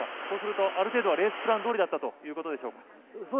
そうすると、ある程度レースプランどおりだったということでしょうか。